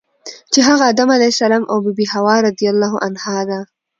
چی هغه ادم علیه السلام او بی بی حوا رضی الله عنها ده .